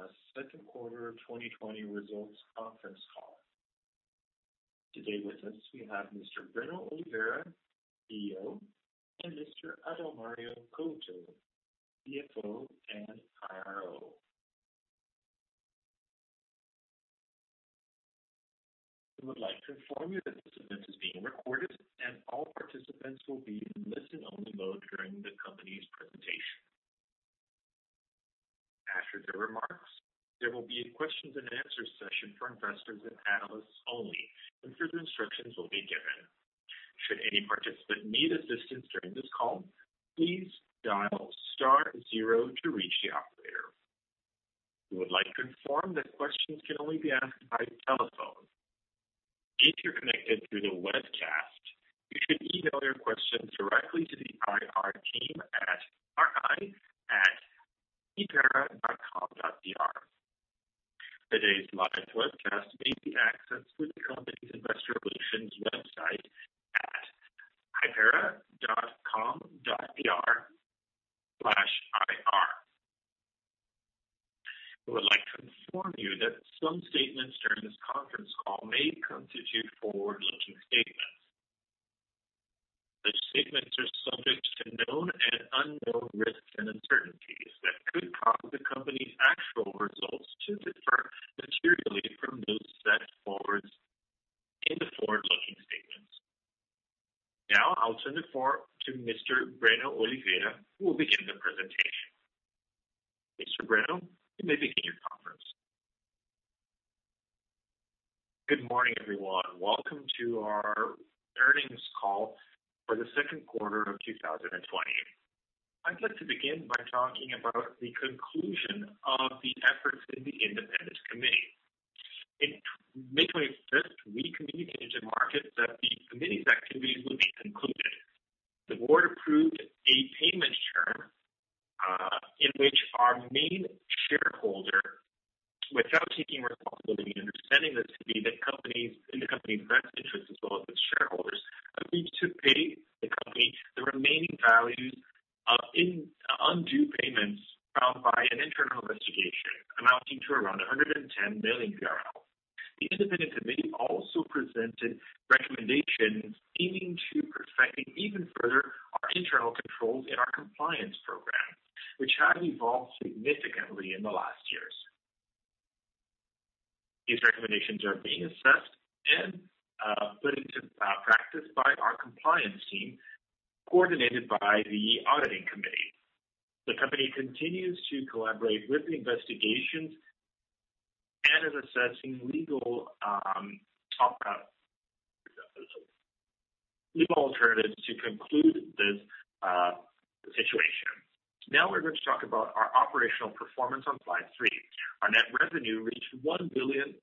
Good morning. Welcome to Hypera Pharma Second Quarter 2020 Results Conference Call. Today with us, we have Mr. Breno Oliveira, CEO, and Mr. Adalmario Couto, CFO and IRO. We would like to inform you that this event is being recorded and all participants will be in listen only mode during the company's presentation. After the remarks, there will be a questions and answers session for investors and analysts only. Further instructions will be given. Should any participant need assistance during this call, please dial star zero to reach the operator. We would like to inform that questions can only be asked by telephone. If you're connected through the webcast, you should email your question directly to the IR team at ir@hypera.com.br. Today's live webcast may be accessed through the company's investor relations website at hypera.com.br/ir. We would like to inform you that some statements during this conference call may constitute forward-looking statements. Such statements are subject to known and unknown risks and uncertainties that could cause the company's actual results to differ materially from those set forth in the forward-looking statements. I'll turn the floor to Mr. Breno Oliveira, who will begin the presentation. Mr. Breno, you may begin your conference. Good morning, everyone. Welcome to our earnings call for the second quarter of 2020. I'd like to begin by talking about the conclusion of the efforts in the independent committee. In May 25th, we communicated to markets that the committee's activities will be concluded. The Board approved a payment term, in which our main shareholder, without taking responsibility and understanding this to be in the company's best interest as well as its shareholders, agreed to pay the company the remaining values of undue payments found by an internal investigation amounting to around BRL 110 million. The Independent Committee also presented recommendations aiming to perfecting even further our internal controls in our compliance program, which have evolved significantly in the last years. These recommendations are being assessed and put into practice by our compliance team, coordinated by the auditing committee. The company continues to collaborate with the investigations and is assessing legal alternatives to conclude this situation. Now we're going to talk about our operational performance on slide three. Our net revenue reached 1.05 billion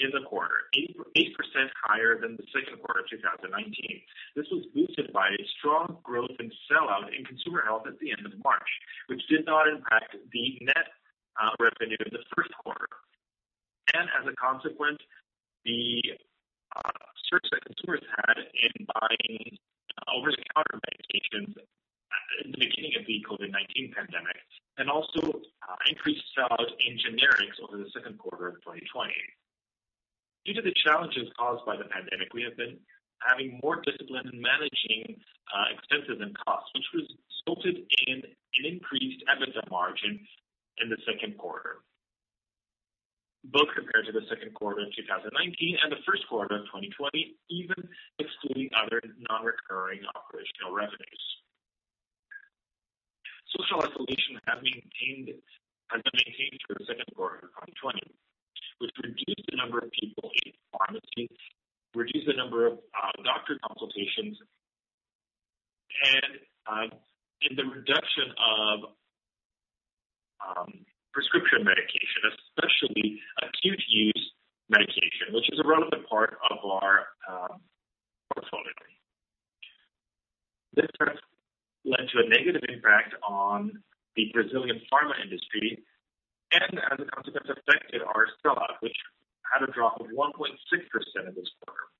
in the quarter, 8% higher than the second quarter of 2019. This was boosted by a strong growth in sell-out in consumer health at the end of March, which did not impact the net revenue in the first quarter. As a consequence, the search that consumers had in buying over-the-counter medications at the beginning of the COVID-19 pandemic, and also increased sell-out in generics over the second quarter of 2020. Due to the challenges caused by the pandemic, we have been having more discipline in managing expenses and costs, which resulted in an increased EBITDA margin in the second quarter, both compared to the second quarter of 2019 and the first quarter of 2020, even excluding other non-recurring operational revenues. Social isolation has been maintained through the second quarter of 2020, which reduced the number of people in pharmacies, reduced the number of doctor consultations, and the reduction of prescription medication, especially acute use medication, which is a relevant part of our portfolio. This has led to a negative impact on the Brazilian pharma industry and as a consequence affected our sell-out, which had a drop of 1.6% in this quarter.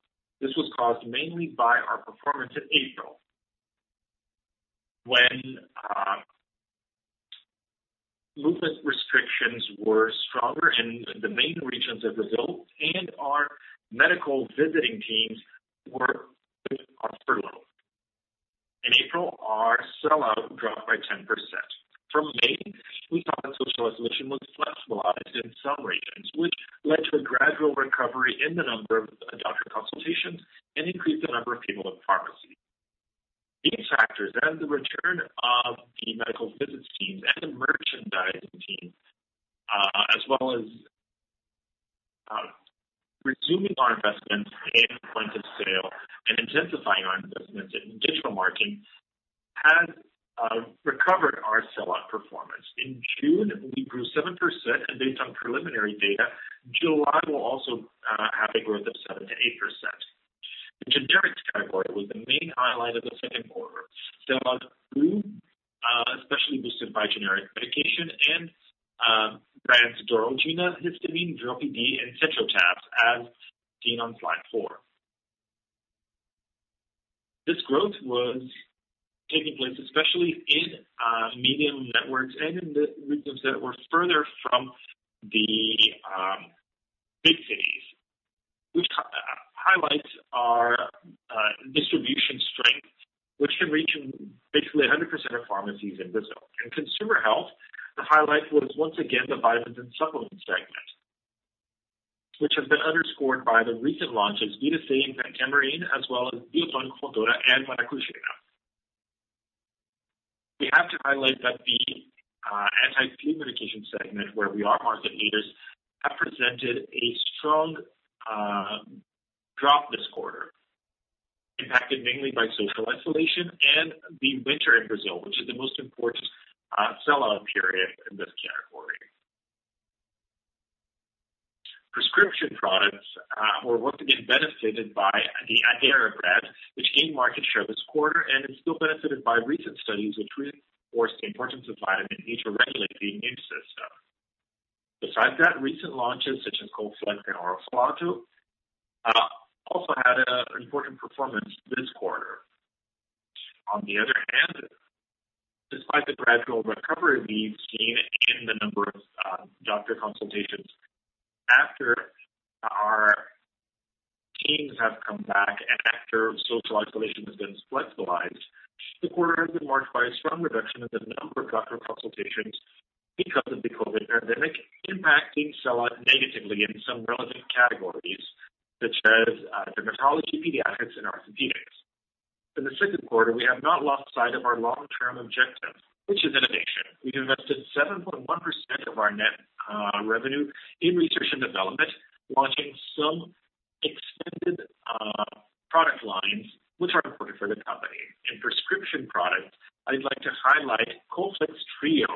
This was caused mainly by our performance in April, when movement restrictions were stronger in the main regions of Brazil. In April, our sell-out dropped by 10%. From May, we saw that social isolation was flexible in some regions, which led to a gradual recovery in the number of doctor consultations and increased the number of people in pharmacies. These factors and the return of the medical visits teams and the merchandising teams, as well as resuming our investments in point of sale and intensifying our investments in digital marketing, has recovered our sell-out performance. In June, we grew 7% and based on preliminary data, July will also have a growth of 7% to 8%. The generics category was the main highlight of the second quarter. Sell-out grew. Medication and brands Doralgina, Histamin, Dropy D, and Centrotabs as seen on slide four. This growth was taking place especially in medium networks and in the regions that were further from the big cities, which highlights our distribution strength, which can reach basically 100% of pharmacies in Brazil. In consumer health, the highlight was once again the vitamins and supplements segment, which has been underscored by the recent launch of Vitasay and Tamarine, as well as Biotônico Fontoura and Maracugina. We have to highlight that the anti-flu medication segment, where we are market leaders, have presented a strong drop this quarter, impacted mainly by social isolation and the winter in Brazil, which is the most important sell-out period in this category. Prescription products were once again benefited by the Addera brand, which gained market share this quarter and is still benefited by recent studies which reinforce the importance of Vitamin D to regulate the immune system. Besides that, recent launches such as Colflex and Ofolato also had an important performance this quarter. On the other hand, despite the gradual recovery we've seen in the number of doctor consultations after our teams have come back and after social isolation has been flexibleized, the quarter has been marked by a strong reduction in the number of doctor consultations because of the COVID-19 pandemic, impacting sell-out negatively in some relevant categories such as dermatology, pediatrics, and orthopedics. In the second quarter, we have not lost sight of our long-term objective, which is innovation. We've invested 7.1% of our net revenue in research and development, launching some extended product lines which are important for the company. In prescription products, I'd like to highlight Colflex Trio,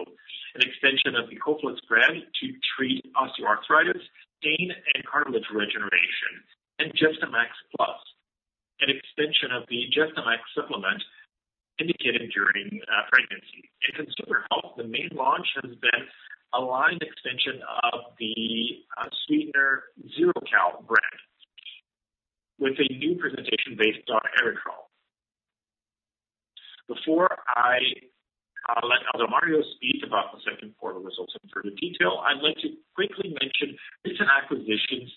an extension of the Colflex brand to treat osteoarthritis, pain, and cartilage regeneration. Gestamax Plus, an extension of the Gestamax supplement indicated during pregnancy. In consumer health, the main launch has been a line extension of the sweetener Zero-Cal brand with a new presentation based on erythritol. Before I let Adalmario speak about the second quarter results in further detail, I'd like to quickly mention recent acquisitions,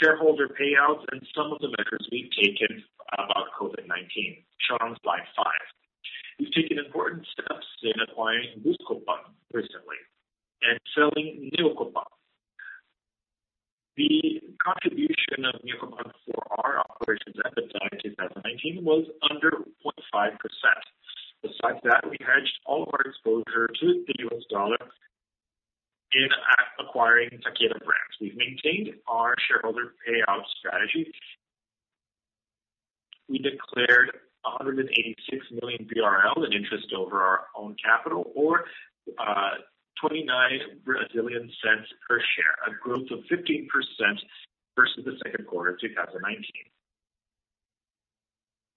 shareholder payouts, and some of the measures we've taken about COVID-19, shown on slide five. We've taken important steps in acquiring Buscopan recently and selling Neocopan. The contribution of Neocopan for our operations at the time in 2019 was under 0.5%. Besides that, we hedged all of our exposure to the U.S. dollar in acquiring Takeda brands. We've maintained our shareholder payout strategy. We declared 186 million BRL in interest on net equity or BRL 0.29 per share, a growth of 15% versus the second quarter of 2019.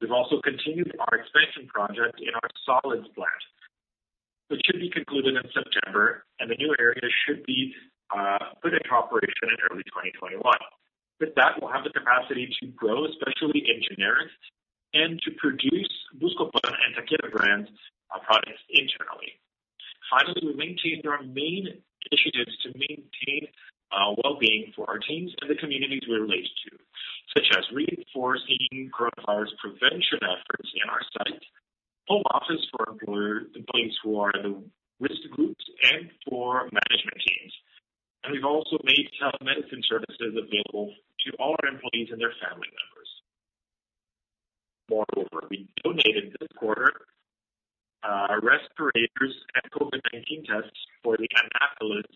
We've also continued our expansion project in our solids plant, which should be concluded in September, and the new area should be put into operation in early 2021. With that, we'll have the capacity to grow, especially in generics, and to produce Buscopan and Takeda brands products internally. We maintained our main initiatives to maintain wellbeing for our teams and the communities we're related to, such as reinforcing coronavirus prevention efforts in our site, home office for employees who are in the risk groups and for management teams. We've also made telemedicine services available to all our employees and their family members. We donated this quarter, respirators and COVID-19 tests for the Anápolis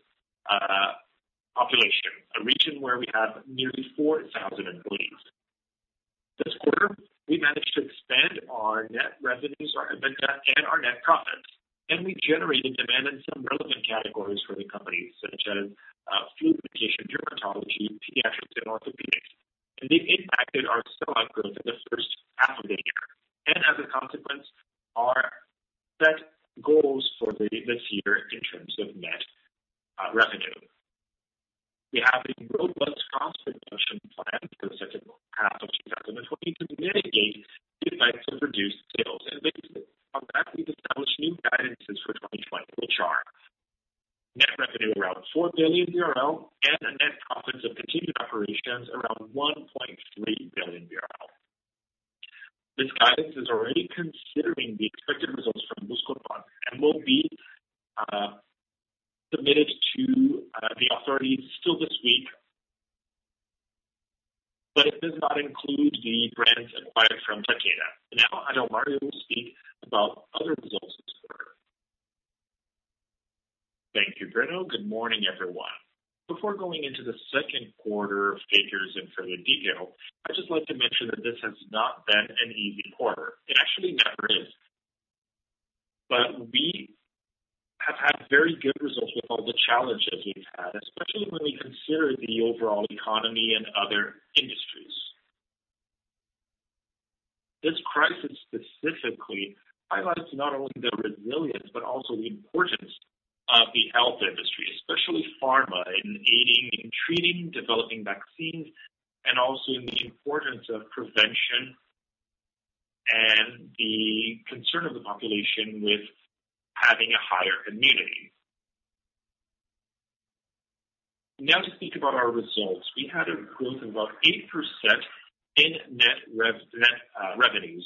population, a region where we have nearly 4,000 employees. This quarter, we managed to expand our net revenues, our EBITDA, and our net profits. We generated demand in some relevant categories for the company, such as flu medication, dermatology, pediatrics, and orthopedics. They've impacted our sellout growth in the first half of the year, and as a consequence, our set goals for this year in terms of net revenue. We have a robust cost-reduction plan for the second half of 2020 to mitigate the effects of reduced sales and business. We've established new guidances for 2020, which are net revenue around BRL 4 billion and a net profits of continued operations around BRL 1.3 billion. This guidance is already considering the expected results from Buscopan and will be submitted to the authorities still this week, but it does not include the brands acquired from Takeda. Now, Adalmario will speak about other results this quarter. Thank you, Breno. Good morning, everyone. Before going into the second quarter figures in further detail, I'd just like to mention that this has not been an easy quarter. It actually never is. We have had very good results with all the challenges we've had, especially when we consider the overall economy and other industries. This crisis specifically highlights not only the resilience, but also the importance of the health industry, especially pharma, in aiding in treating, developing vaccines, and also in the importance of prevention and the concern of the population with having a higher immunity. Now to speak about our results. We had a growth of about 8% in net revenues,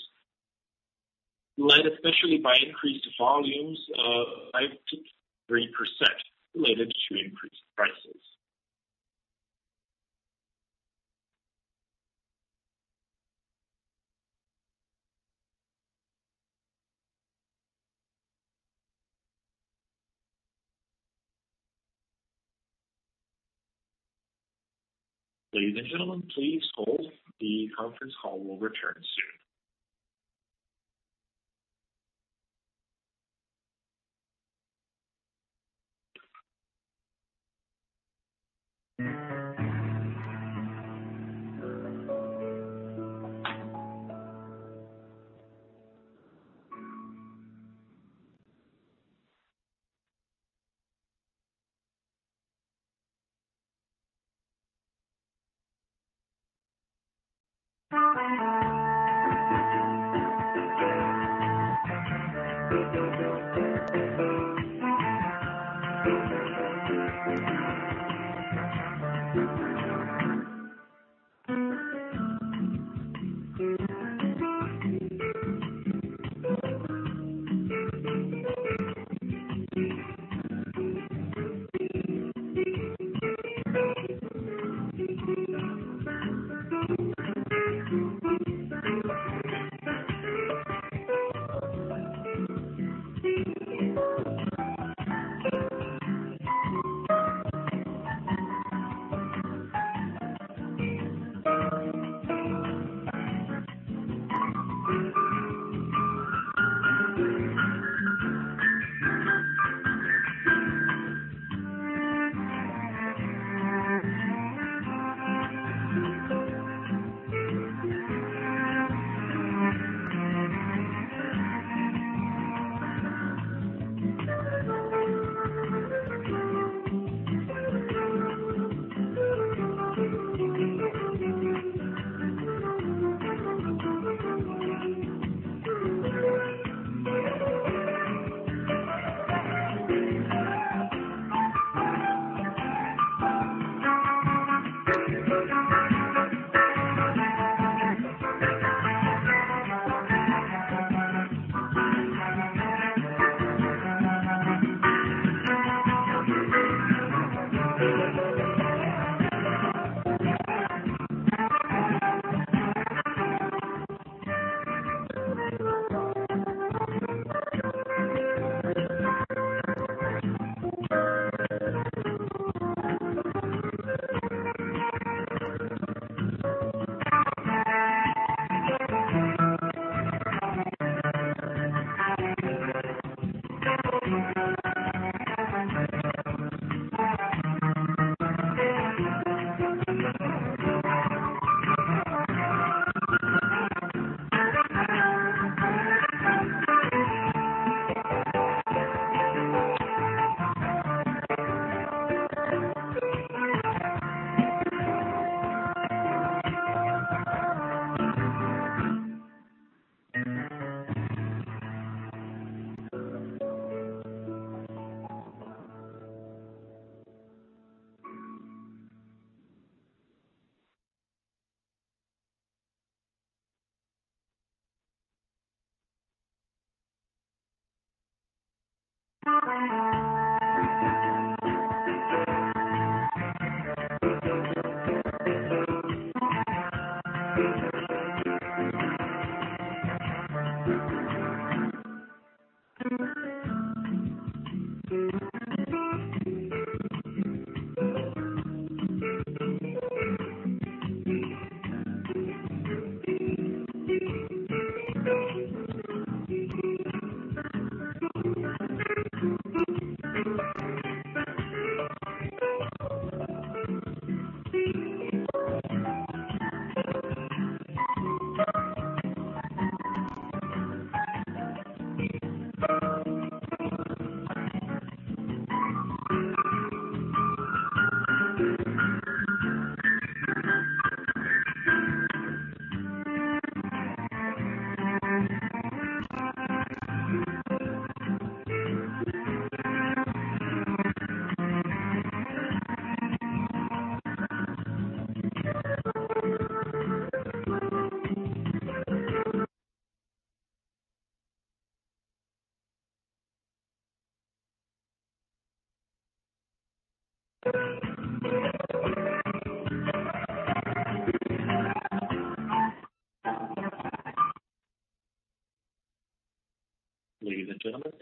led especially by increased volumes of 5% to 3% related to increased prices. Ladies and gentlemen, please hold. The conference call will return soon.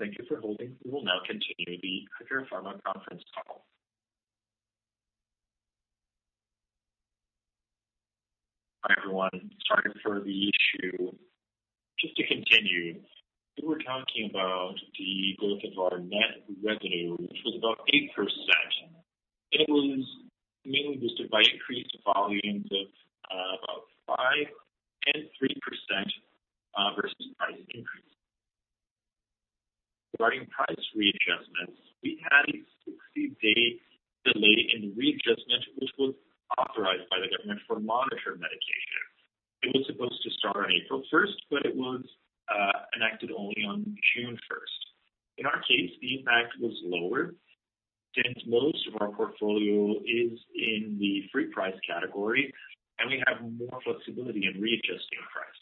Ladies and gentlemen, thank you for holding. We will now continue the Hypera Pharma conference call. Hi, everyone. Sorry for the issue. Just to continue, we were talking about the growth of our net revenue, which was about 8%. It was mainly boosted by increased volumes of about 5% and 3% versus price increase. Regarding price readjustments, we had a 60-day delay in readjustment, which was authorized by the government for monitored medication. It was supposed to start on April 1st, but it was enacted only on June 1st. In our case, the impact was lower since most of our portfolio is in the free price category, and we have more flexibility in readjusting price.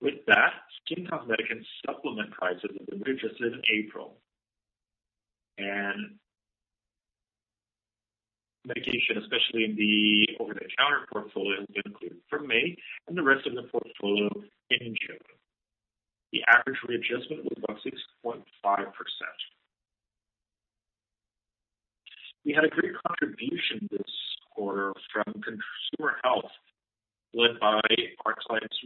With that, skin cosmetics supplement prices have been readjusted in April, and medication, especially in the over-the-counter portfolio, will be included from May and the rest of the portfolio in June. The average readjustment was about 6.5%. We had a great contribution this quarter from consumer health, led by our clients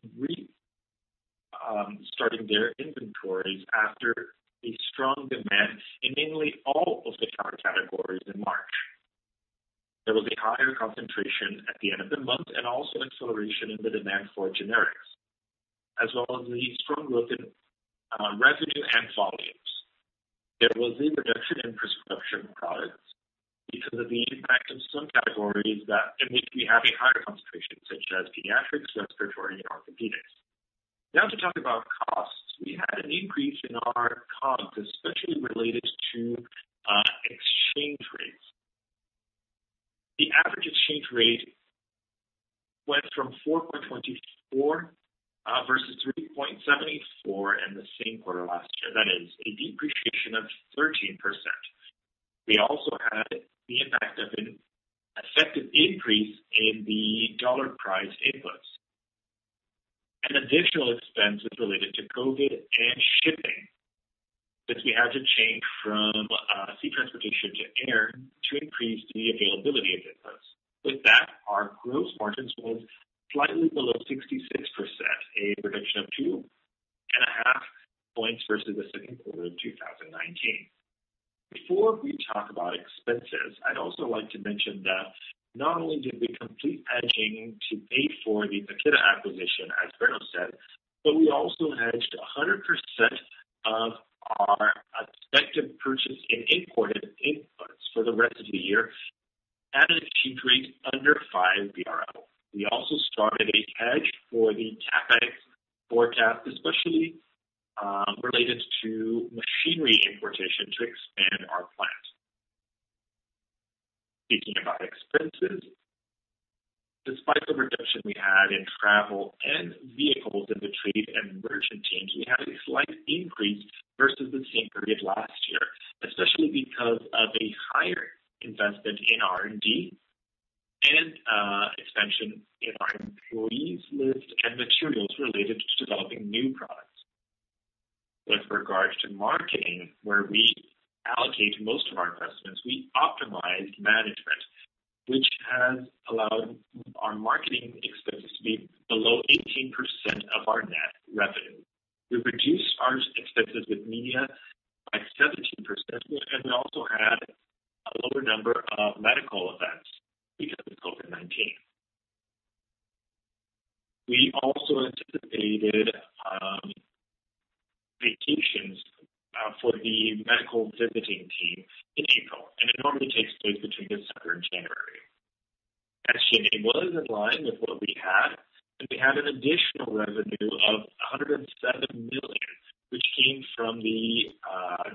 restarting their inventories after a strong demand in mainly all of the over-the-counter categories in March. There was a higher concentration at the end of the month and also acceleration in the demand for generics, as well as a strong growth in revenue and volumes. There was a reduction in prescription products because of the impact of some categories that can make me have a higher concentration, such as pediatrics, respiratory, and orthopedics. Now to talk about costs. We had an increase in our costs, especially related to exchange rates. The average exchange rate went from 4.24 versus 3.74 in the same quarter last year. That is a depreciation of 13%. We also had the impact of an effective increase in the dollar price inputs and additional expenses related to COVID and shipping, since we had to change from sea transportation to air to increase the availability of inputs. Our gross margins were slightly below 66%, a reduction of 2.5 points versus the second quarter of 2019. Before we talk about expenses, I'd also like to mention that not only did we complete hedging to pay for the Takeda acquisition, as Breno said, but we also hedged 100% of our expected purchase in imported inputs for the rest of the year at a cheap rate under 5 BRL. We also started a hedge for the CapEx forecast, especially related to machinery importation to expand our plant. Speaking about expenses, despite the reduction we had in travel and vehicles in the trade and merchant teams, we had a slight increase versus the same period last year, especially because of a higher investment in R&D and expansion in our employees list and materials related to developing new products. With regards to marketing, where we allocate most of our investments, we optimized management, which has allowed our marketing expenses to be below 18% of our net revenue. We reduced our expenses with media by 17%. We also had a lower number of medical events because of COVID-19. We also anticipated vacations for the medical visiting team in April. It normally takes place between December and January. Actually, it was in line with what we had, and we had an additional revenue of 107 million, which came from the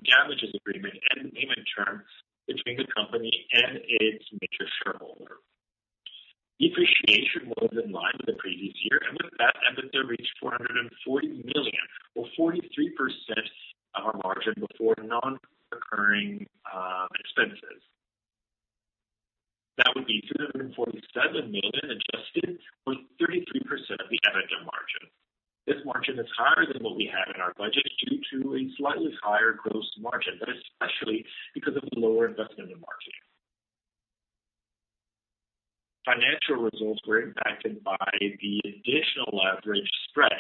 damages agreement and the payment term between the company and its major shareholder. Depreciation was in line with the previous year. With that, EBITDA reached 440 million, or 43% of our margin before non-recurring expenses. That would be 347 million adjusted or 33% of the EBITDA margin. This margin is higher than what we had in our budget due to a slightly higher gross margin. Especially because of lower investment in marketing. Financial results were impacted by the additional leverage spread,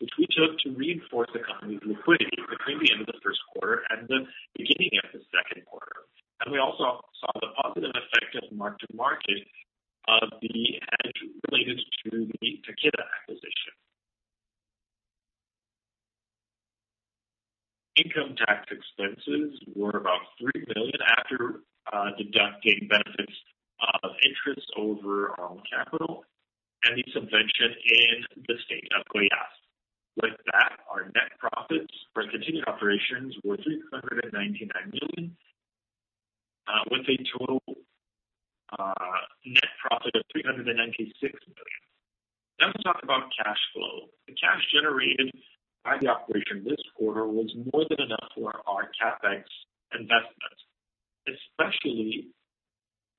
which we took to reinforce the company's liquidity between the end of the first quarter and the beginning of the second quarter. We also saw the positive effect of mark to market of the hedge related to the Takeda acquisition. Income tax expenses were about 3 million after deducting benefits of interest over own capital and the subvention in the State of Goiás. Our net profits for continued operations were 399 million, with a total net profit of 396 million. To talk about cash flow. The cash generated by the operation this quarter was more than enough for our CapEx investment, especially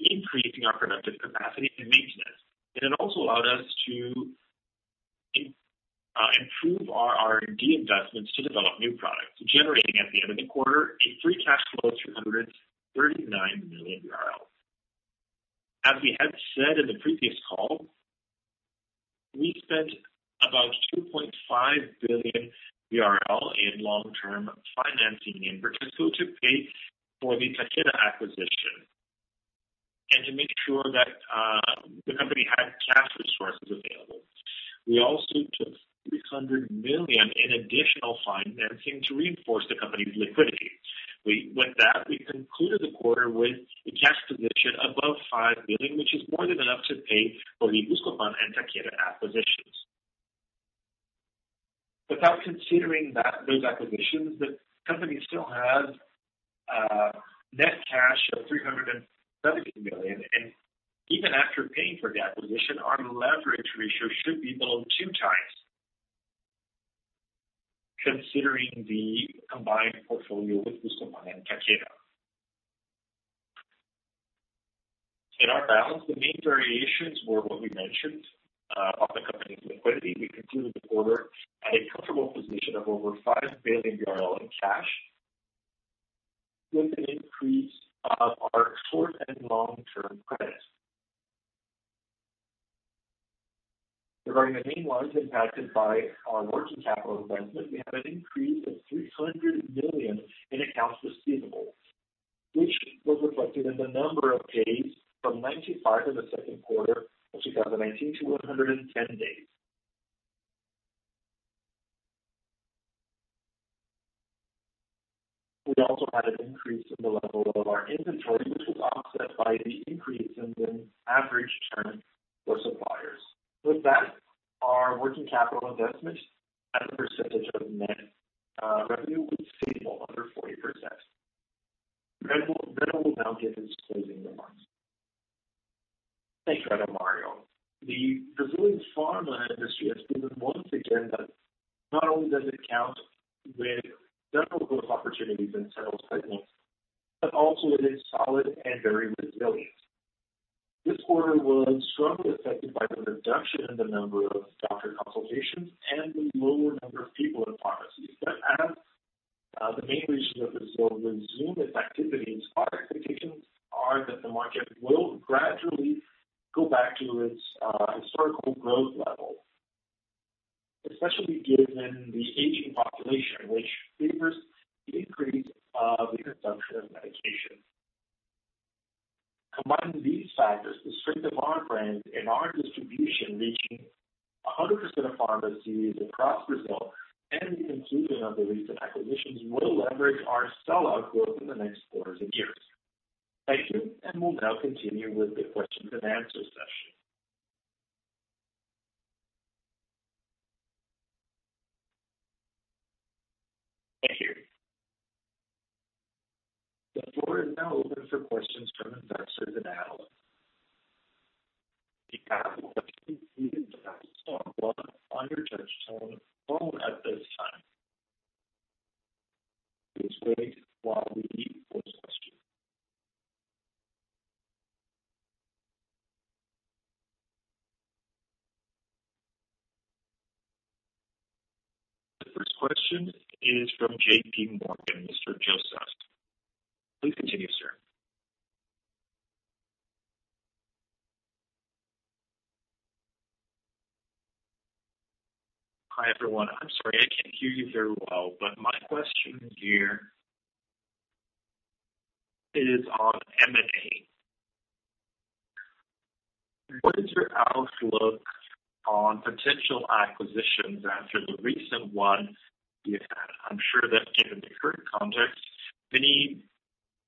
increasing our productive capacity and maintenance. It also allowed us to improve our R&D investments to develop new products, generating at the end of the quarter a free cash flow of 339 million. As we had said in the previous call. We spent about 2.5 billion in long-term financing in order to pay for the Takeda acquisition, and to make sure that the company had cash resources available. We also took 300 million in additional financing to reinforce the company's liquidity. With that, we concluded the quarter with a cash position above 5 billion, which is more than enough to pay for the Buscopan and Takeda acquisitions. Without considering those acquisitions, the company still has net cash of 370 million, and even after paying for the acquisition, our leverage ratio should be below 2x, considering the combined portfolio with Buscopan and Takeda. In our balance, the main variations were what we mentioned of the company's liquidity. We concluded the quarter at a comfortable position of over BRL 5 billion in cash, with an increase of our short and long-term credits. Regarding the main ones impacted by our working capital investment, we have an increase of 300 million in accounts receivable, which was reflected in the number of days from 95 in the second quarter of 2019 to 110 days. We also had an increase in the level of our inventory, which was offset by the increase in the average term for suppliers. With that, our working capital investment as a percentage of net revenue was stable, under 40%. Breno will now give his closing remarks. Thanks, Adalmario. The Brazilian pharma industry has proven once again that not only does it count with several growth opportunities and sales pipelines, but also it is solid and very resilient. This quarter was strongly affected by the reduction in the number of doctor consultations and the lower number of people in pharmacies. As the main region of Brazil resumes its activities, our expectations are that the market will gradually go back to its historical growth level, especially given the aging population, which favors the increase of the consumption of medication. Combining these factors, the strength of our brand and our distribution reaching 100% of pharmacies across Brazil, and the conclusion of the recent acquisitions will leverage our sell-out growth in the next quarters and years. Thank you. We'll now continue with the questions and answer session. Thank you. The floor is now open for questions from investors and analysts. The capital operator on the phone at this time. Please wait while we queue the first question. The first question is from JPMorgan, Mr. Joe Giordano. Please continue, sir. Hi, everyone. I'm sorry, I can't hear you very well. My question here is on M&A. What is your outlook on potential acquisitions after the recent one you had? I'm sure that given the current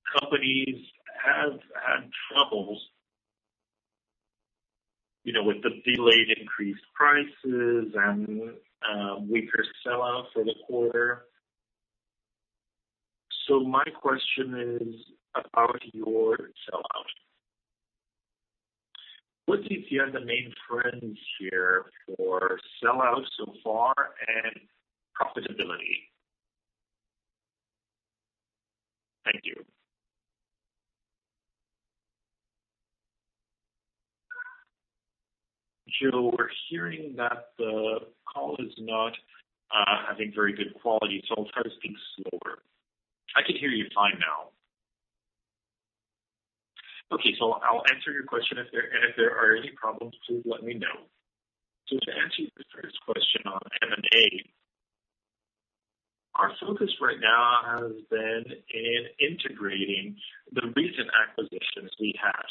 context, many companies have had troubles, with the delayed increased prices and weaker sell-out for the quarter. My question is about your sell-out. What do you see as the main trends here for sell-out so far and profitability? Thank you. Joe, we're hearing that the call is not having very good quality. I'll try to speak slower. I can hear you fine now. Okay. I'll answer your question, and if there are any problems, please let me know. To answer your first question on M&A, our focus right now has been in integrating the recent acquisitions we had.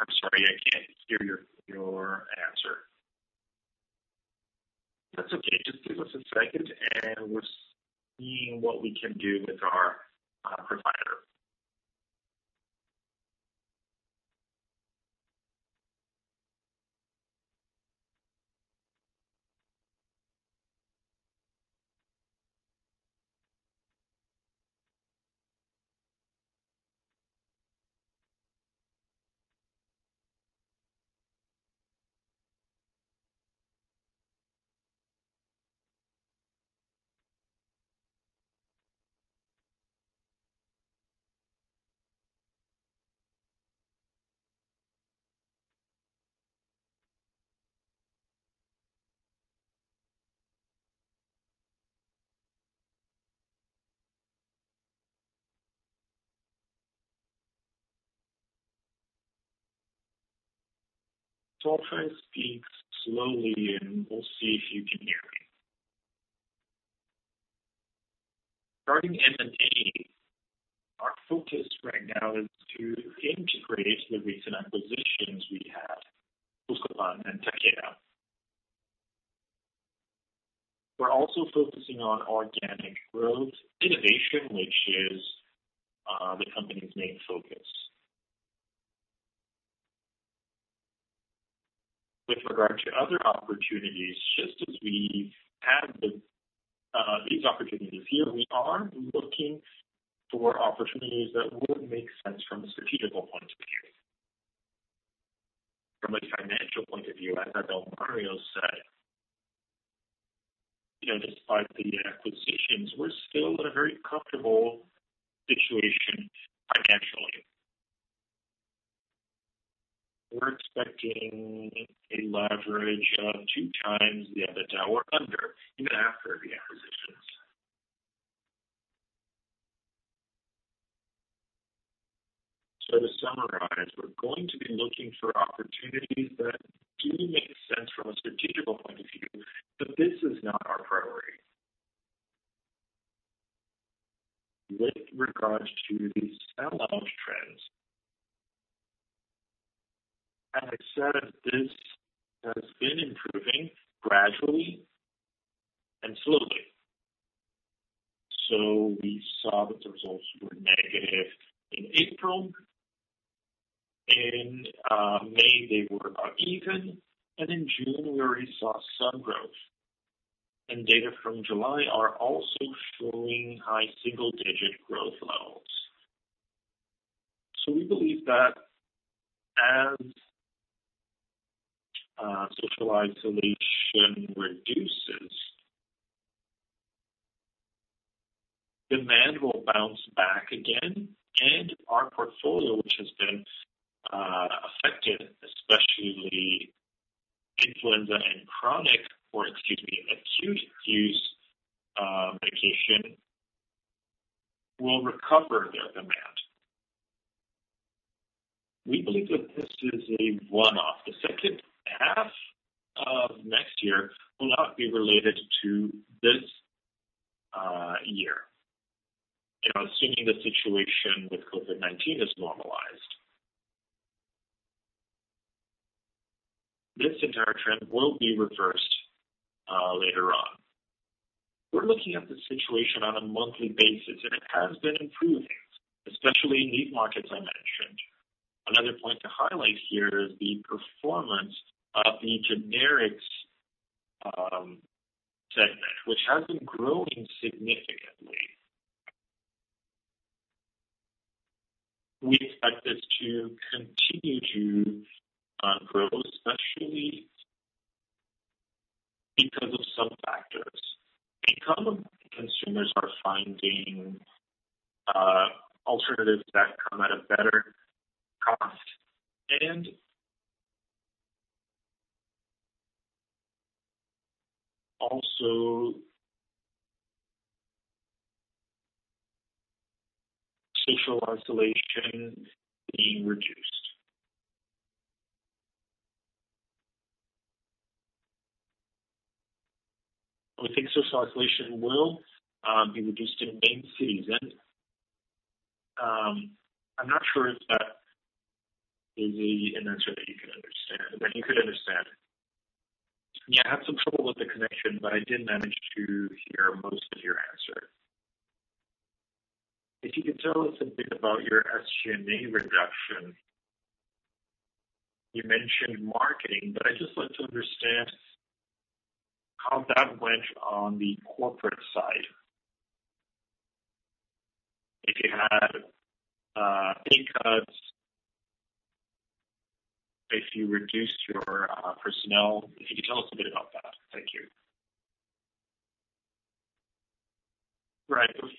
I'm sorry, I can't hear your answer. That's okay. Just give us a second and we're seeing what we can do with our provider. I'll try to speak slowly, and we'll see if you can hear me. Regarding M&A, our focus right now is to integrate the recent acquisitions we had, Buscopan and Takeda. We're also focusing on organic growth innovation, which is the company's main focus. With regard to other opportunities, just as we have these opportunities here, we are looking for opportunities that would make sense from a strategic point of view. From a financial point of view, as Adalmario said, despite the acquisitions, we're still in a very comfortable situation financially. We're expecting a leverage of two times the EBITDA or under, even after the acquisitions. To summarize, we're going to be looking for opportunities that do make sense from a strategic point of view, this is not our priority. With regards to the sell-out trends, as I said, this has been improving gradually and slowly. We saw the results were negative in April, in May they were even, In June, we already saw some growth. Data from July are also showing high single-digit growth levels. We believe that as social isolation reduces, demand will bounce back again and our portfolio, which has been affected, especially influenza and acute use medication, will recover their demand. We believe that this is a one-off. The second half of next year will not be related to this year, assuming the situation with COVID-19 is normalized. This entire trend will be reversed later on. We're looking at the situation on a monthly basis, and it has been improving, especially in these markets I mentioned. Another point to highlight here is the performance of the generics segment, which has been growing significantly. We expect this to continue to grow, especially because of some factors. Consumers are finding alternatives that come at a better cost and also social isolation being reduced. We think social isolation will be reduced in main regiões. I'm not sure if that is an answer that you could understand. Yeah, I had some trouble with the connection, but I did manage to hear most of your answer. If you could tell us a bit about your SG&A reduction. You mentioned marketing, but I'd just like to understand how that went on the corporate side. If you had pay cuts, if you reduced your personnel, if you could tell us a bit about that. Thank you.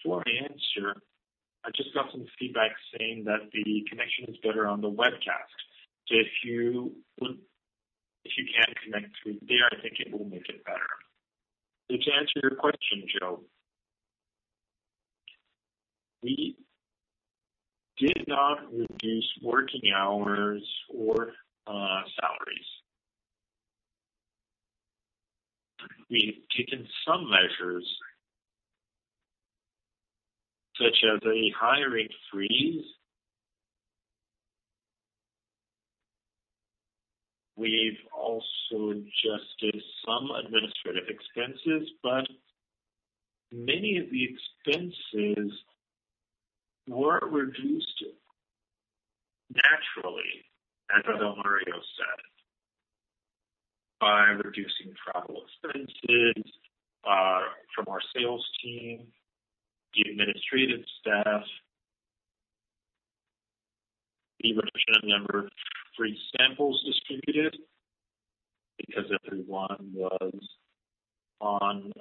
Before I answer, I just got some feedback saying that the connection is better on the webcast. If you can connect through there, I think it will make it better. To answer your question, Joe, we did not reduce working hours or salaries. We've taken some measures, such as a hiring freeze. We've also adjusted some administrative expenses, but many of the expenses were reduced naturally, as Adalmario said, by reducing travel expenses from our sales team, the administrative staff, the reduction in number of free samples distributed because everyone was on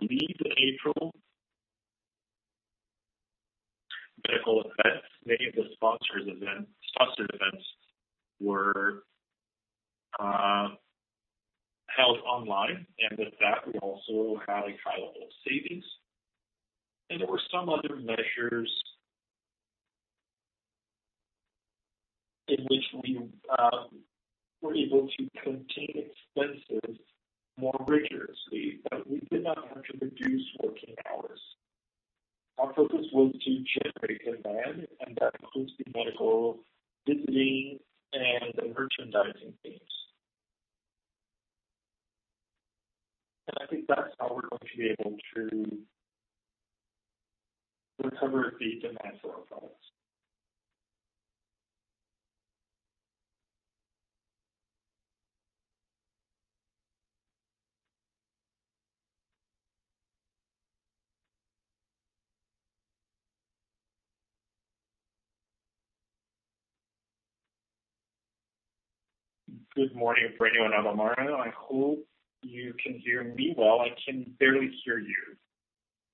leave in April. Medical events, many of the sponsored events were online, with that we also had a high level of savings. There were some other measures in which we were able to contain expenses more rigorously, but we did not have to reduce working hours. Our focus was to generate demand, and that includes the medical visiting and the merchandising teams. I think that's how we're going to be able to recover the demand for our products. Good morning, Breno and Adalmario. I hope you can hear me well. I can barely hear you.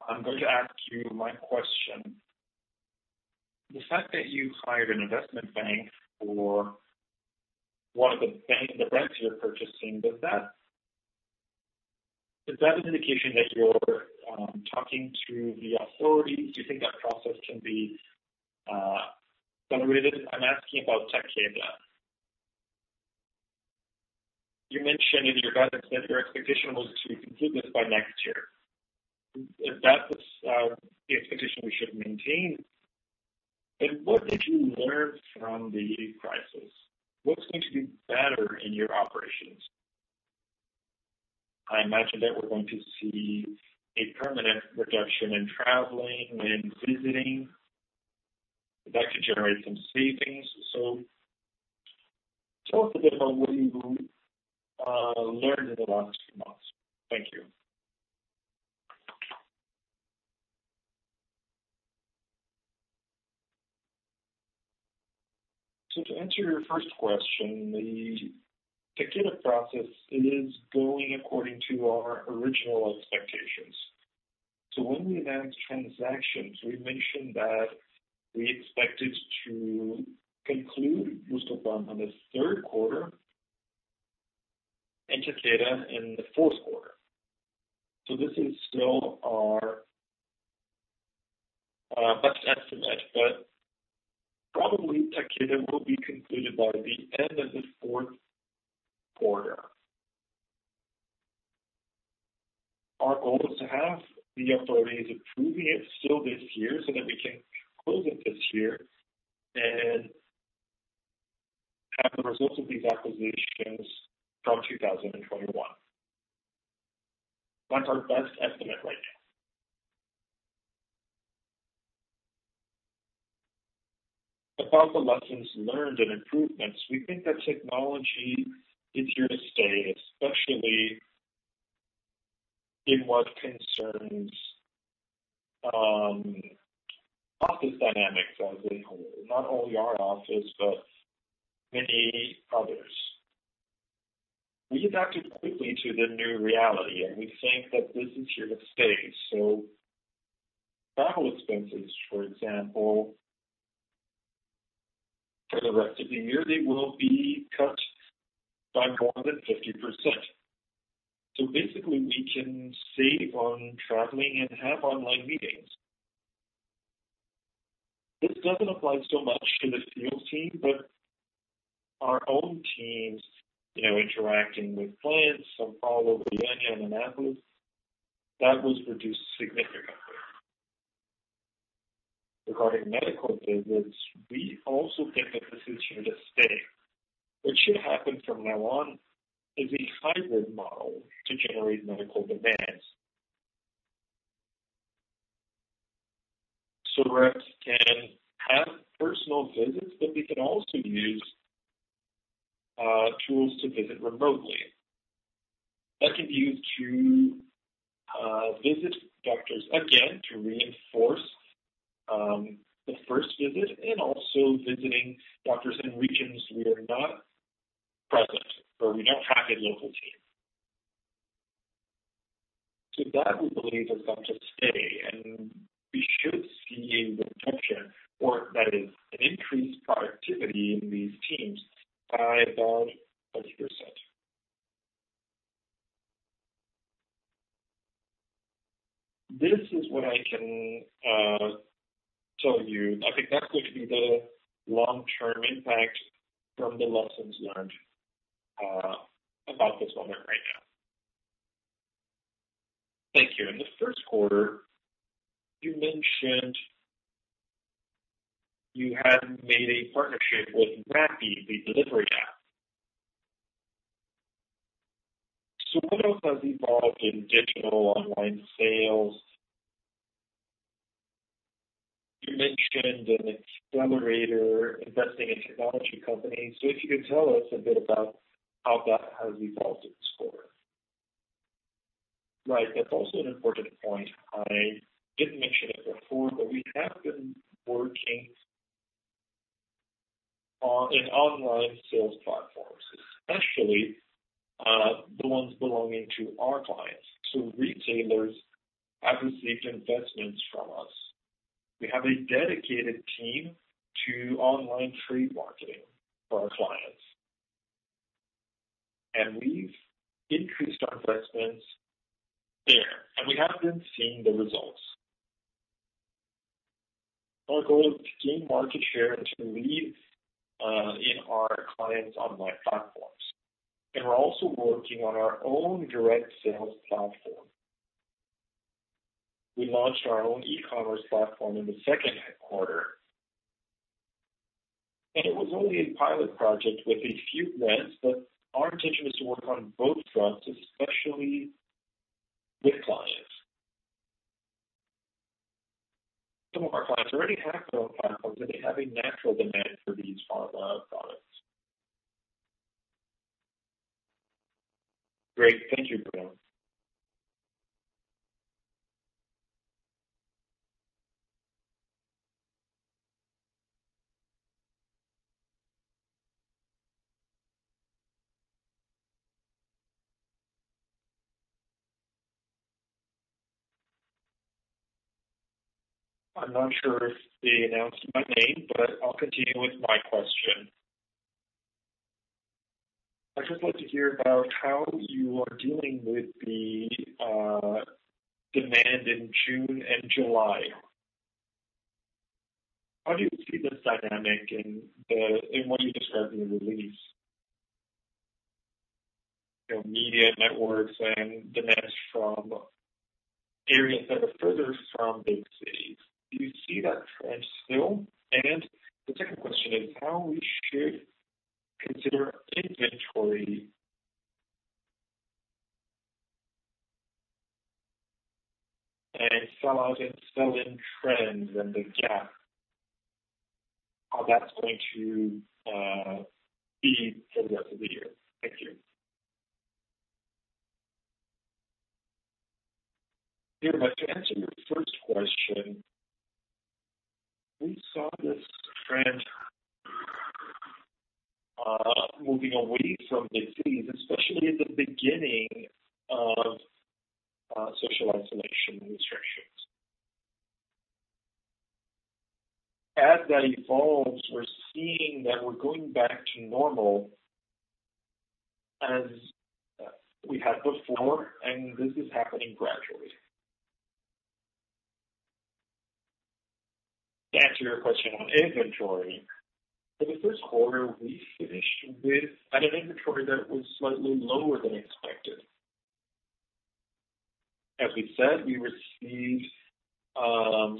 I'm going to ask you my question. The fact that you hired an investment bank for one of the brands you're purchasing, is that an indication that you're talking to the authorities? Do you think that process can be accelerated? I'm asking about Takeda. You mentioned in your guidance that your expectation was to conclude this by next year. Is that the expectation we should maintain? What did you learn from the crisis? What's going to be better in your operations? I imagine that we're going to see a permanent reduction in traveling and visiting. That could generate some savings. Tell us a bit about what you learned in the last few months. Thank you. To answer your first question, the Takeda process is going according to our original expectations. When we announced transactions, we mentioned that we expected to conclude Buscopan in the third quarter and Takeda in the fourth quarter. This is still our best estimate, but probably Takeda will be concluded by the end of the fourth quarter. Our goal is to have the authorities approving it still this year so that we can close it this year and have the results of these acquisitions from 2021. That's our best estimate right now. About the lessons learned and improvements, we think that technology is here to stay, especially in what concerns office dynamics as a whole, not only our office, but many others. We adapted quickly to the new reality, and we think that this is here to stay. Travel expenses, for example, for the rest of the year, they will be cut by more than 50%. Basically, we can save on traveling and have online meetings. This doesn't apply so much to the field team, but our own teams interacting with clients from all over the region, and that was reduced significantly. Regarding medical visits, we also think that this is here to stay. What should happen from now on is a hybrid model to generate medical demands. Reps can have personal visits, but we can also use tools to visit remotely. That can be used to visit doctors again, to reinforce the first visit and also visiting doctors in regions we are not present or we don't have a local team. That we believe is going to stay, and we should see the reduction or that is an increased productivity in these teams by about 30%. This is what I can tell you. I think that's going to be the long-term impact from the lessons learned about this moment right now. Thank you. In the first quarter, you mentioned you had made a partnership with Rappi, the delivery app. What else has evolved in digital online sales? You mentioned an accelerator investing in technology companies. If you can tell us a bit about how that has evolved in this quarter. Right. That's also an important point. I didn't mention it before, but we have been working on online sales platforms, especially the ones belonging to our clients. Retailers have received investments from us. We have a dedicated team to online trade marketing for our clients. We've increased our investments there, and we have been seeing the results. Our goal is to gain market share and to lead in our clients' online platforms. We're also working on our own direct sales platform. We launched our own e-commerce platform in the second quarter. It was only a pilot project with a few brands, but our intention is to work on both fronts, especially with clients. Some of our clients already have their own platforms, and they have a natural demand for these online products. Great. Thank you, Breno. I am not sure if they announced my name, but I will continue with my question. I just want to hear about how you are dealing with the demand in June and July. How do you see this dynamic in what you described in the release, medium networks and demands from areas that are further from big cities? Do you see that trend still? The second question is how we should consider inventory and sell-out and sell-in trends and the gap, how that is going to be for the rest of the year. Thank you. Yeah. To answer your first question, we saw this trend moving away from big cities, especially in the beginning of social isolation restrictions. As that evolves, we're seeing that we're going back to normal as we had before, and this is happening gradually. To answer your question on inventory, for the first quarter, we finished with an inventory that was slightly lower than expected. As we said, we received a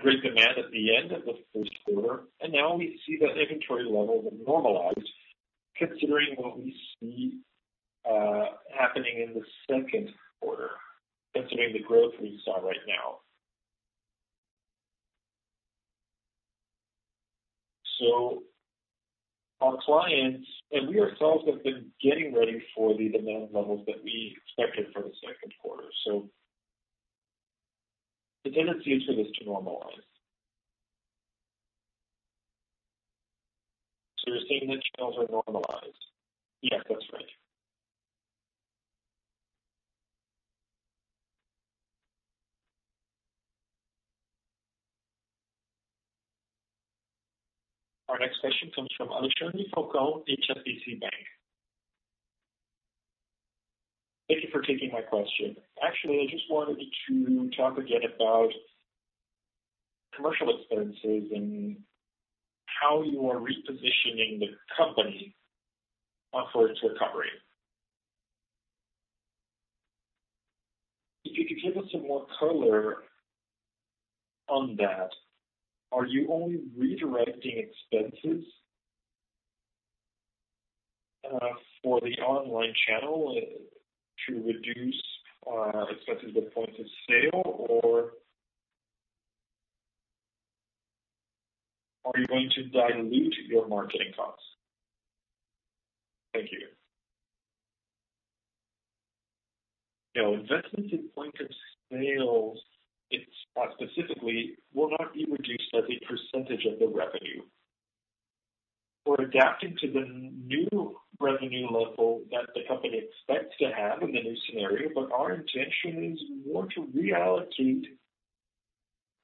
great demand at the end of the first quarter, and now we see that inventory levels have normalized considering what we see happening in the second quarter, considering the growth we saw right now. Our clients and we ourselves have been getting ready for the demand levels that we expected for the second quarter. The tendency is for this to normalize. You're saying that channels are normalized? Yes, that's right. Our next question comes from Alexandre Falcão, HSBC Bank. Thank you for taking my question. Actually, I just wanted to talk again about commercial expenses and how you are repositioning the company for its recovery. If you could give us some more color on that. Are you only redirecting expenses for the online channel to reduce expenses at point of sale, or are you going to dilute your marketing costs? Thank you. Investments in point of sales specifically will not be reduced as a percentage of the revenue. We're adapting to the new revenue level that the company expects to have in the new scenario, but our intention is more to reallocate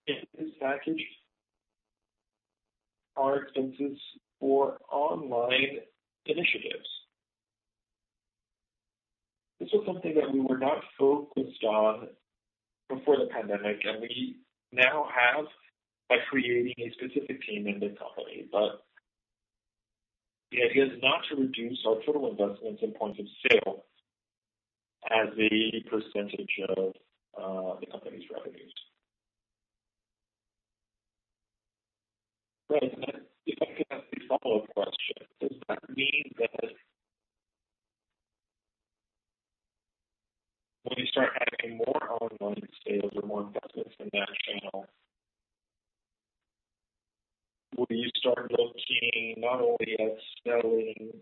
in this package our expenses for online initiatives. This was something that we were not focused on before the pandemic, and we now have by creating a specific team in the company. The idea is not to reduce our total investments in point of sale as a percentage of the company's revenues. Right. If I could ask a follow-up question, does that mean that when you start adding more online sales or more investments in that channel, will you start looking not only at selling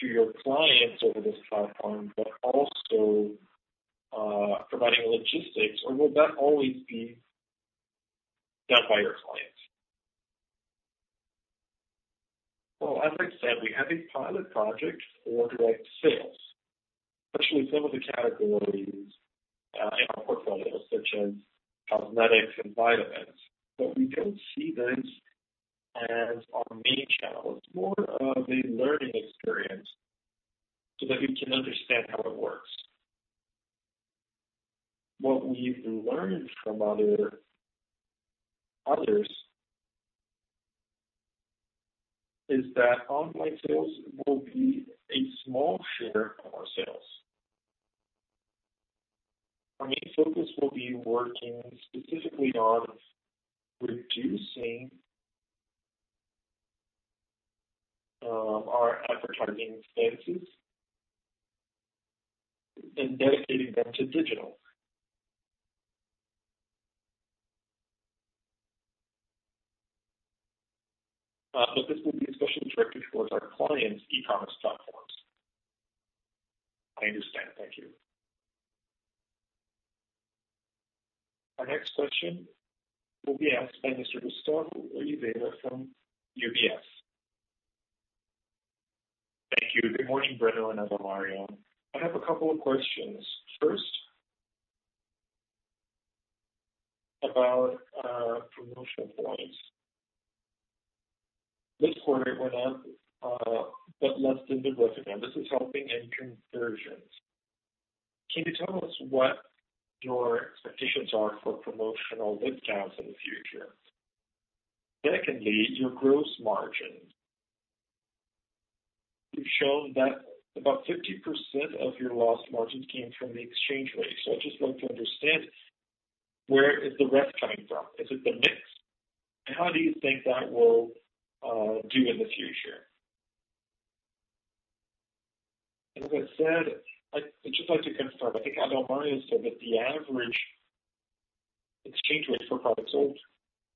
to your clients over this platform, but also providing logistics, or will that always be done by your clients? As said, we have a pilot project for direct sales, especially some of the categories in our portfolio, such as cosmetics and vitamins. We don't see this as our main channel. It's more of a learning experience so that we can understand how it works. What we've learned from others is that online sales will be a small share of our sales. Our main focus will be working specifically on reducing our advertising expenses and dedicating them to digital. This will be especially directed towards our clients' e-commerce platforms. I understand. Thank you. Our next question will be asked by Mr. Gustavo Oliveira from UBS. Thank you. Good morning, Breno and Adalmario. I have a couple of questions. First, about promotional points. This quarter went up, but less than the growth again, this is helping in conversions. Can you tell us what your expectations are for promotional discounts in the future? Secondly, your gross margin. You've shown that about 50% of your lost margins came from the exchange rate. I'd just like to understand where is the rest coming from. Is it the mix? How do you think that will do in the future? As I said, I'd just like to confirm, I think Adalmario said that the average exchange rate for products sold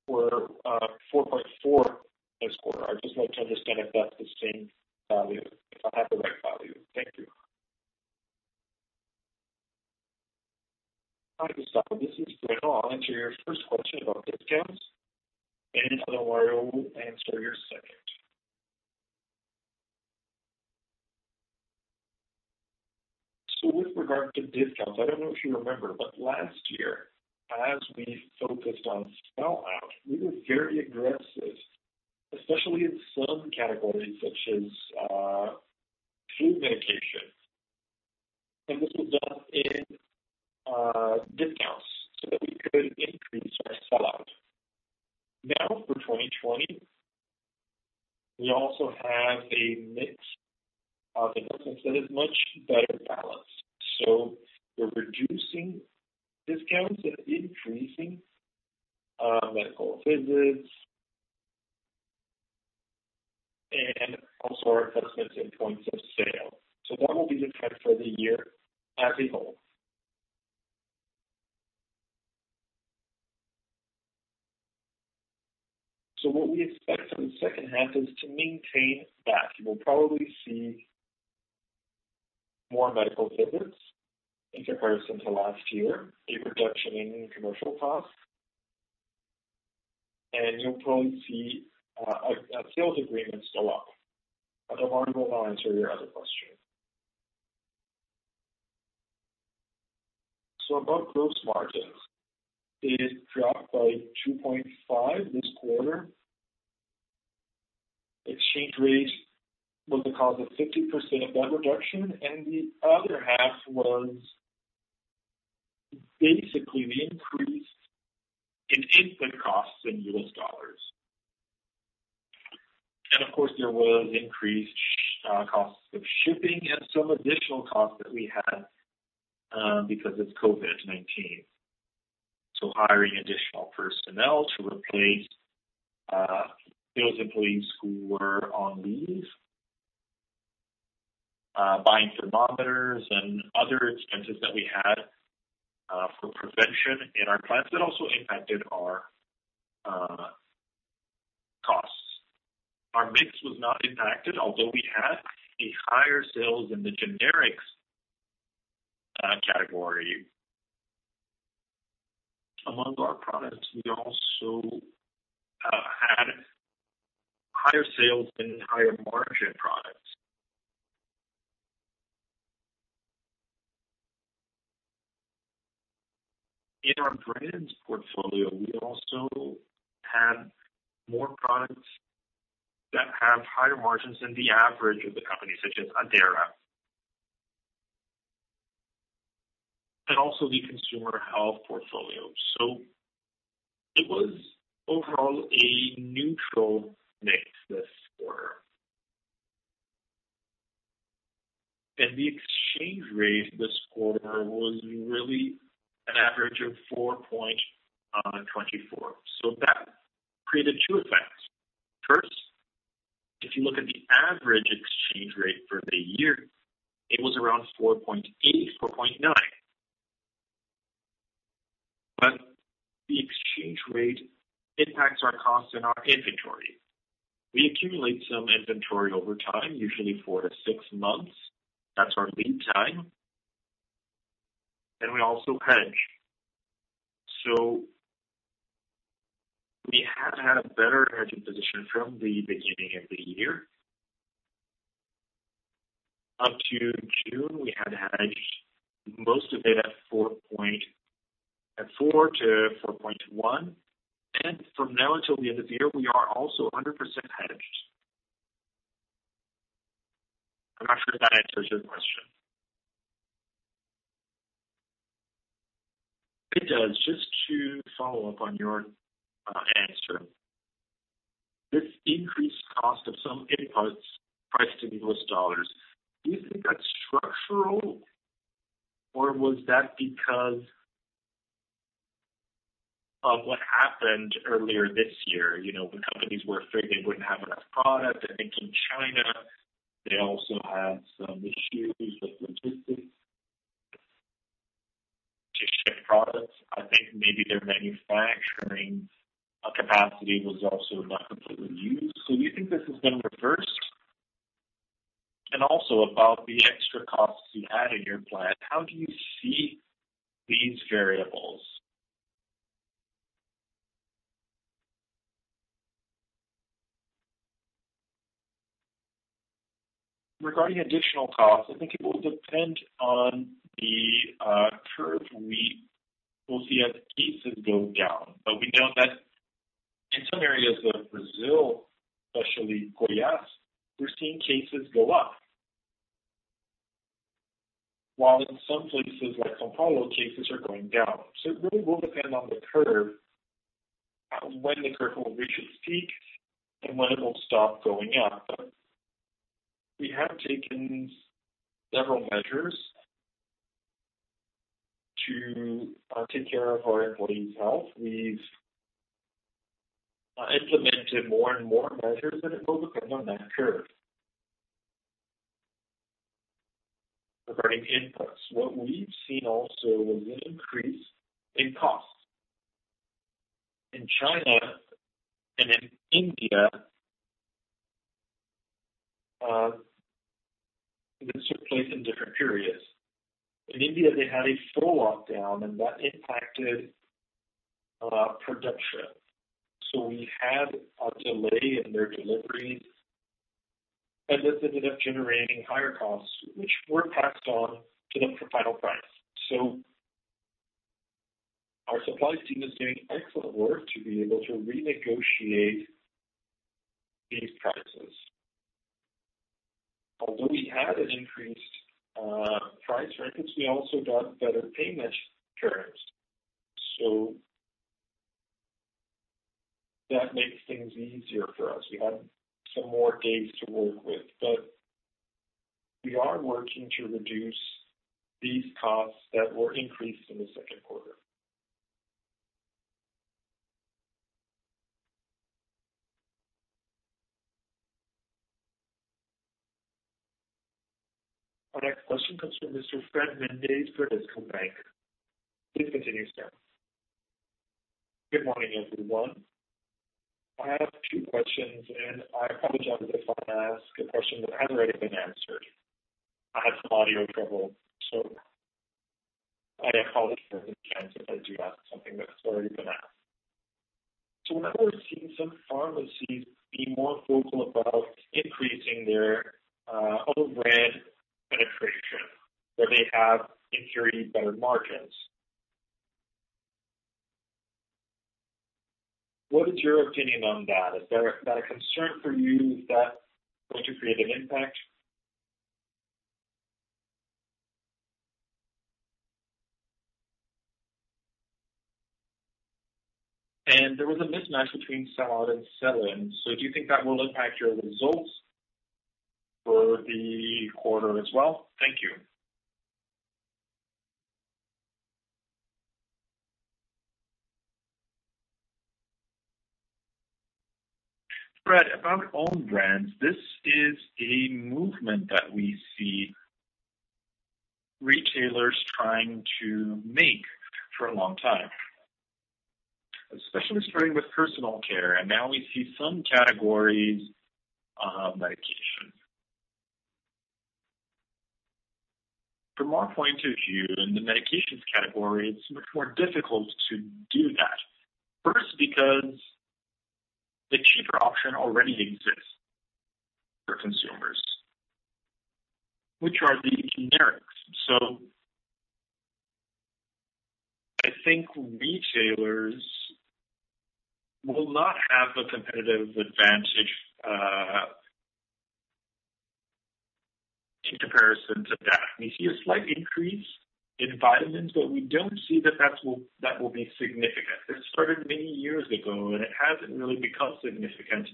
were 4.4 this quarter. I'd just like to understand if that's the same value. If I have the right value. Thank you. Hi, Gustavo. This is Breno. I'll answer your first question about discounts, and Adalmario will answer your second. With regard to discounts, I don't know if you remember, but last year, as we focused on sellout, we were very aggressive, especially in some categories such as flu medication. This was done in discounts so that we could increase our sellout. Now for 2020, we also have a mix of incomes that is much better balanced. We're reducing discounts and increasing medical visits, and also our investments in points of sale. That will be the trend for the year as a whole. What we expect for the second half is to maintain that. You will probably see more medical visits in comparison to last year, a reduction in commercial costs, and you'll probably see our sales agreements go up. Adalmario will now answer your other question. About gross margins, they did drop by 2.5 this quarter. Exchange rate was the cause of 50% of that reduction, and the other half was basically the increase in input costs in U.S. dollars. Of course, there was increased costs of shipping and some additional costs that we had because of COVID-19. Hiring additional personnel to replace those employees who were on leave, buying thermometers and other expenses that we had for prevention in our plants, that also impacted our costs. Our mix was not impacted, although we had a higher sales in the generics category. Among our products, we also had higher sales in higher-margin products. In our brands portfolio, we also have more products that have higher margins than the average of the company, such as Addera and also the consumer health portfolio. It was overall a neutral mix this quarter. The exchange rate this quarter was really an average of 4.24. That created two effects. First, if you look at the average exchange rate for the year, it was around 4.8, 4.9. The exchange rate impacts our costs and our inventory. We accumulate some inventory over time, usually four to six months. That's our lead time. We also hedge. We have had a better hedging position from the beginning of the year. Up to June, we had hedged most of it at 4.0, 4.1, and from now until the end of the year, we are also 100% hedged. I'm not sure if that answers your question. It does. Just to follow up on your answer, this increased cost of some inputs priced in U.S. dollars, do you think that's structural, or was that because of what happened earlier this year? When companies were afraid they wouldn't have enough product. I think in China, they also had some issues with logistics to ship products. I think maybe their manufacturing capacity was also not completely used. Do you think this has been reversed? Also about the extra costs you had in your plant, how do you see these variables? Regarding additional costs, I think it will depend on the curve we will see as cases go down. We know that in some areas of Brazil, especially Goiás, we're seeing cases go up. While in some places like São Paulo, cases are going down. It really will depend on the curve, when the curve will reach its peak, and when it will stop going up. We have taken several measures to take care of our employees' health. We've implemented more and more measures, but it will depend on that curve. Regarding inputs, what we've seen also was an increase in costs. In China and in India, this took place in different periods. In India, they had a slow lockdown, and that impacted production. We had a delay in their deliveries, and this ended up generating higher costs, which were passed on to the final price. Our supply team is doing excellent work to be able to renegotiate these prices. Although we had an increased price, we also got better payment terms. That makes things easier for us. We have some more days to work with, but we are working to reduce these costs that were increased in the second quarter. Our next question comes from Mr. Fred Mendes for Bradesco BBI. Please continue, sir. Good morning, everyone. I have two questions, and I apologize if I ask a question that has already been answered. I had some audio trouble. I apologize in advance if I do ask something that's already been asked. We're now seeing some pharmacies be more vocal about increasing their own brand penetration, where they have, in theory, better margins. What is your opinion on that? Is that a concern for you? Is that going to create an impact? There was a mismatch between sell-out and sell-in. Do you think that will impact your results for the quarter as well? Thank you. Fred, about own brands, this is a movement that we see retailers trying to make for a long time, especially starting with personal care, and now we see some categories of medication. From our point of view, in the medications category, it's much more difficult to do that. First, because the cheaper option already exists for consumers, which are the generics. I think retailers will not have a competitive advantage in comparison to that. We see a slight increase in vitamins, but we don't see that that will be significant. This started many years ago, and it hasn't really become significant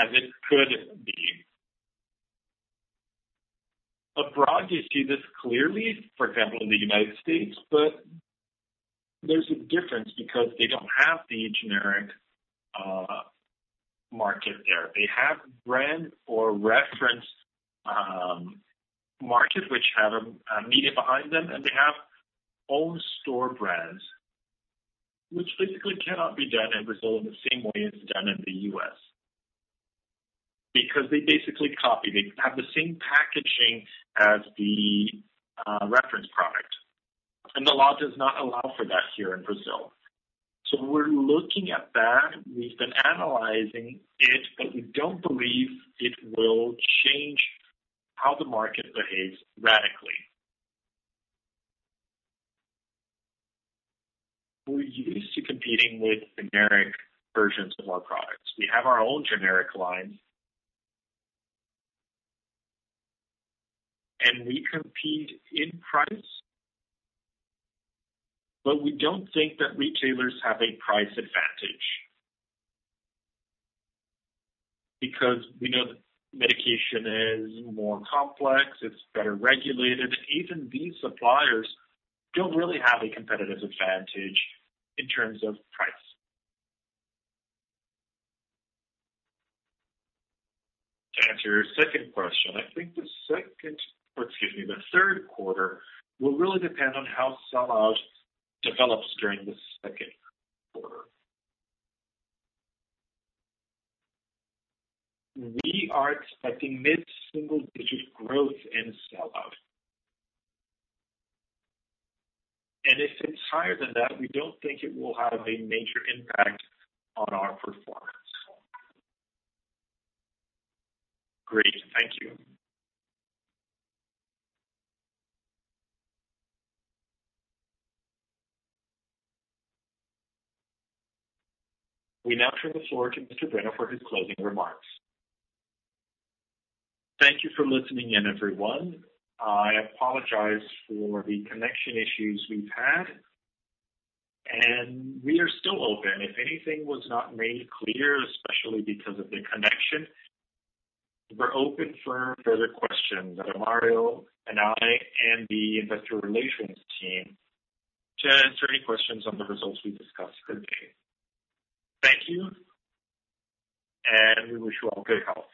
as it could be. Abroad, you see this clearly, for example, in the United States, but there's a difference because they don't have the generic market there. They have brand or reference markets which have a media behind them, and they have own store brands, which basically cannot be done in Brazil in the same way it's done in the U.S. Because they basically copy. They have the same packaging as the reference product, and the law does not allow for that here in Brazil. We're looking at that. We've been analyzing it, but we don't believe it will change how the market behaves radically. We're used to competing with generic versions of our products. We have our own generic line, and we compete in price. We don't think that retailers have a price advantage because we know that medication is more complex, it's better regulated, and even these suppliers don't really have a competitive advantage in terms of price. To answer your second question, I think the second, or excuse me, the third quarter will really depend on how sell-out develops during the second quarter. We are expecting mid-single digit growth in sell-out. If it's higher than that, we don't think it will have a major impact on our performance. Great. Thank you. We now turn the floor to Mr. Breno for his closing remarks. Thank you for listening in, everyone. I apologize for the connection issues we've had, and we are still open. If anything was not made clear, especially because of the connection, we're open for further questions. Adalmario and I and the investor relations team to answer any questions on the results we discussed today. Thank you, and we wish you all good health.